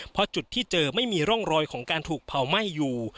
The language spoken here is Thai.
เพราะจุดที่เจอไม่มีร่องรอยของการถูกเผาไหม้อยู่